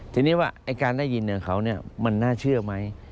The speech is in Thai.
ทีนี้ว่าการได้ยินของเขามันน่าเชื่อไหม